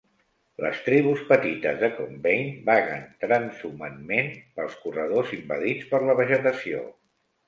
Les tribus petites de Compain vaguen transhumantment pels corredors invadits per la vegetació.